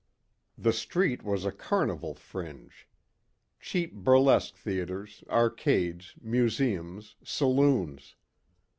The street was a carnival fringe. Cheap burlesque theatres, arcades, museums, saloons.